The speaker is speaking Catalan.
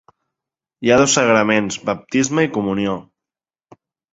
Hi ha dos sagraments: baptisme i comunió.